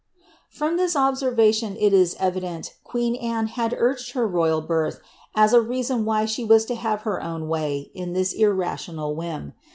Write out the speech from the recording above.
*' From this observation it is evident queen Anne had ui^ged her royal birth as a reason why she was to have her own way, in this irrational whim.